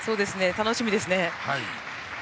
楽しみですね。